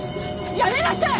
やめなさい。